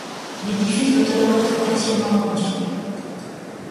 L'édifice doit alors être partiellement reconstruit.